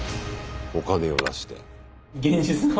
お金を出して。